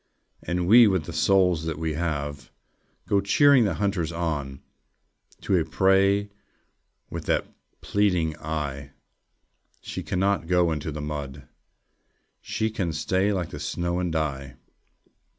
And we, with the souls that we have, Go cheering the hunters on To a prey with that pleading eye. She cannot go into the mud! She can stay like the snow, and die!